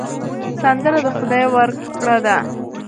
سندره د خدای ورکړه ده